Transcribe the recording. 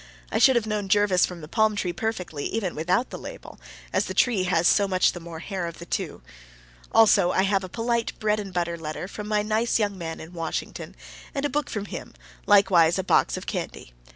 I should have known Jervis from the palm tree perfectly, even without the label, as the tree has so much the more hair of the two. Also, I have a polite bread and butter letter from my nice young man in Washington, and a book from him, likewise a box of candy.